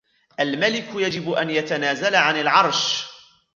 الملك يجب أن يتنازل عن العرش.